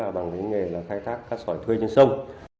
đấy là bằng cái nghề là khai thác các sỏi thuê trên sông